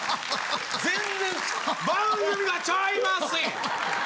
全然番組がちゃいますやん。